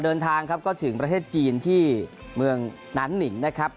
เดินทางครับก็ถึงประเทศจีนที่เมืองนานหนิงนะครับ